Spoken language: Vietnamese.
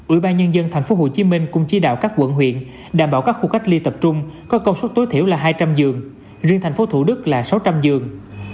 ủy ban nhân dân tp hcm cũng chỉ đạo các quận huyện đảm bảo các khu cách ly tập trung có công suất tối thiểu là hai trăm linh giường riêng tp thủ đức là sáu trăm linh giường